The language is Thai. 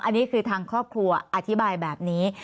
อันนี้คือทางครอบครัวอธิบายแบบนี้